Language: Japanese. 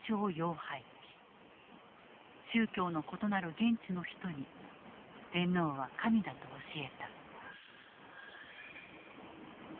宗教の異なる現地の人に天皇は神だと教えた。